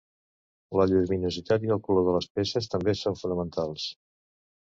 La lluminositat i el color de les peces també són fonamentals.